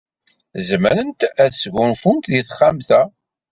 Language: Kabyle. Zemrent ad sgunfunt deg texxamt-a.